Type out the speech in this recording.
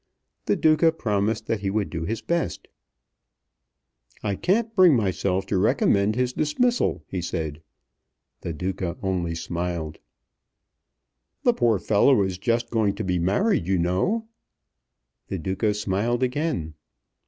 The Duca promised that he would do his best. "I can't bring myself to recommend his dismissal," he said. The Duca only smiled. "The poor fellow is just going to be married, you know." The Duca smiled again.